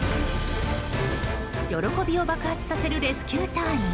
喜びを爆発させるレスキュー隊員。